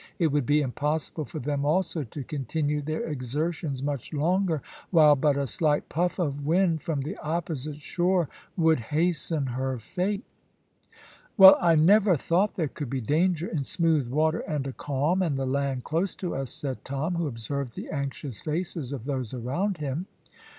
It would be impossible for them also to continue their exertions much longer, while but a slight puff of wind from the opposite shore would hasten her fate. "Well, I never thought there could be danger in smooth water and a calm, and the land close to us," said Tom, who observed the anxious faces of those around him.